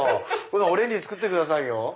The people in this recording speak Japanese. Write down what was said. オレンジ作ってくださいよ。